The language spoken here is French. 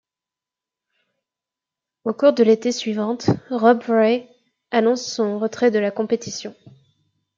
Au cours de l'été suivante Rob Ray annonce son retrait de la compétition.